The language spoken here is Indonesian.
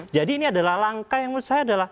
jadi ini adalah langkah yang menurut saya adalah